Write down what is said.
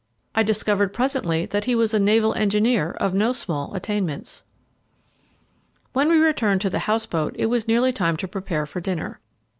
I discovered presently that he was a naval engineer of no small attainments. When we returned to the house boat, it was nearly time to prepare for dinner.